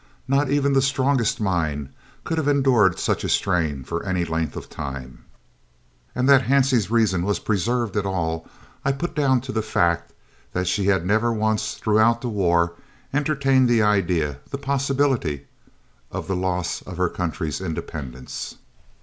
Not even the strongest mind could have endured such a strain for any length of time, and that Hansie's reason was preserved at all I put down to the fact that she had never once throughout the war entertained the idea, the possibility, of the loss of her country's independence.